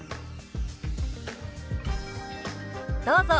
どうぞ。